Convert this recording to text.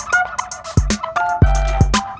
kau mau kemana